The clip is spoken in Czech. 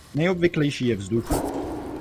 Nejobvyklejší je vzduch.